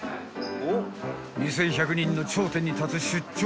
［２，１００人の頂点に立つ出張